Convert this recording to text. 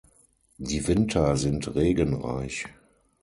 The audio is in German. Die Winter sind regenreich.